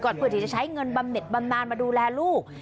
เพื่อที่จะใช้เงินบำเน็ตบำนานมาดูแลลูก